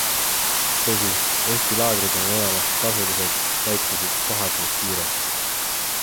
Tõsi, ehkki laagrid on enamasti tasulised, täitusid kohad neis kiirelt.